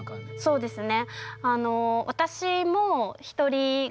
そうですね。